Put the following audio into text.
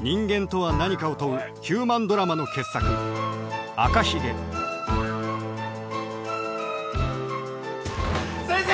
人間とは何かを問うヒューマンドラマの傑作先生！